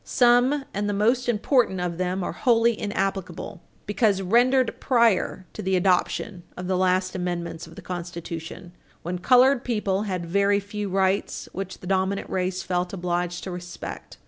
Some, and the most important, of them are wholly inapplicable because rendered prior to the adoption of the last amendments of the Constitution, when colored people had very few rights which the dominant race felt obliged to respect.